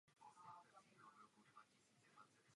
Po nocích psal.